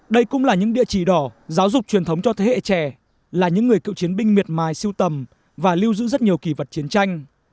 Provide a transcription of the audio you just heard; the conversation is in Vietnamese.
đây cũng là những địa chỉ đỏ giáo dục truyền thống cho thế hệ trẻ là những người cựu chiến binh miệt mài siêu tầm và lưu giữ rất nhiều kỳ vật chiến tranh